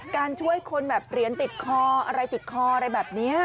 การช่วยคนแบบเหรียญติดคออะไรติดคออะไรแบบนี้